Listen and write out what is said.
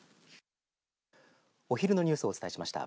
お昼のニュースをお伝えしました。